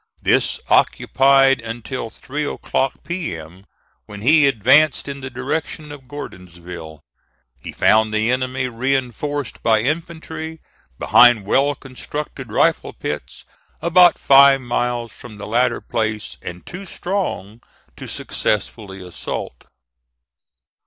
This occupied until three o'clock P.M., when he advanced in the direction of Gordonsville. He found the enemy reinforced by infantry, behind well constructed rifle pits, about five miles from the latter place and too strong to successfully assault.